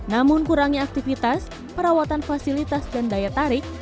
namun kurangnya aktivitas perawatan fasilitas dan daya tarik